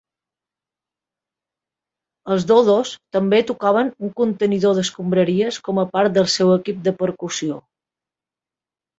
Els Dodos també tocaven un contenidor d'escombraries com a part del seu equip de percussió.